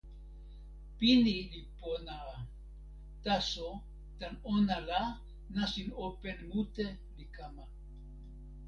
pini li pona a. taso, tan ona la, nasin open mute li kama.